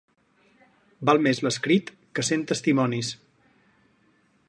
Val més l'escrit que cent testimonis.